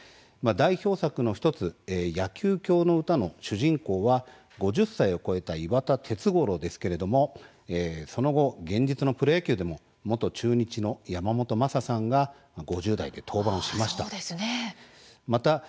代表作の１つ「野球狂の詩」の主人公は５０歳を超えた岩田鉄五郎ですけれどもその後、現実のプロ野球でも元中日の山本昌さんが５０代で登板をしました。